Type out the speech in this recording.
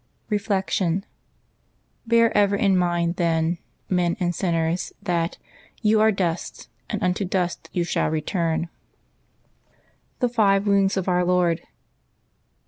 Reflection. — Bear ever in mind, then, men and sinners, that "you are dust, and unto dust you shall return/' THE FIVE WOUNDS OF OUR LORD.